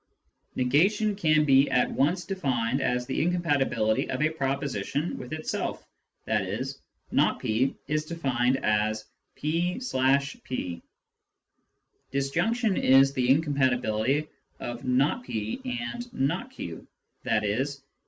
Negation can be at once defined as the incompatibility of a proposition with itself, i.e. " not p " is defined as " pjp" Disjunction is the incompatibility of not p and not q, i.e.